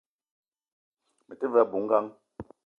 Me te ve a bou ngang